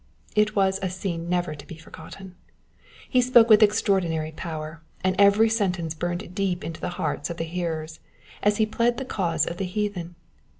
It was a scene never to be forgotten. He spoke with extraordinary power, and every sentence burned deep into the hearts of the hearers, as he pled the cause of the heathen.